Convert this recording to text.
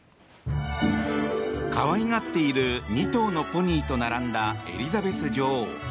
可愛がっている２頭のポニーと並んだエリザベス女王。